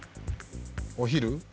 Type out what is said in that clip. お昼？